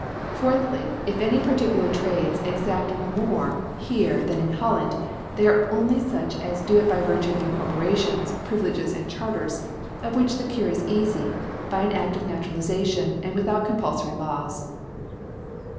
Fourthly^ * If any particular Trades exaft more here ^ than in H^llandj they afe only fucji as dd» * it by virtue of Incorporations, Privileges,. ^ and Charters^ of which the Cure is eafy^ *: by an ASt of Naturalization, and with* ^ out compulfory Laws.